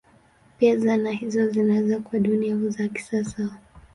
Pia zana hizo zinaweza kuwa duni au za kisasa.